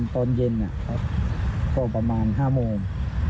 ตอนเย็นก็ประมาณ๕โมง